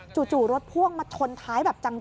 จู่รถพ่วงมาชนท้ายแบบจัง